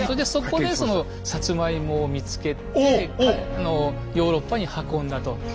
そこでそのサツマイモを見つけてヨーロッパに運んだと。